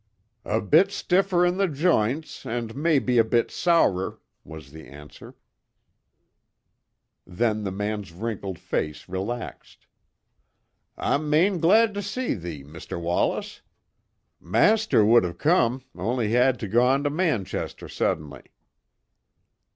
"A bit stiffer in the joints, and maybe a bit sourer," was the answer; then the man's wrinkled face relaxed. "I'm main glad to see thee, Mr. Wallace. Master wad have come, only he'd t' gan t' Manchester suddenly."